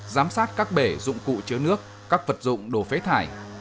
giám sát các bể dụng cụ chứa nước các vật dụng đồ phế thải